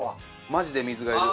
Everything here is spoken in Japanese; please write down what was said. マジで水がいる。